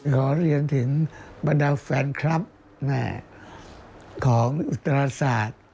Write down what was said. ขอเรียนถึงบรรดาแฟนคลับของอุตราศาสตร์